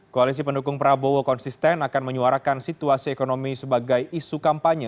koalisi pendukung prabowo konsisten akan menyuarakan situasi ekonomi sebagai isu kampanye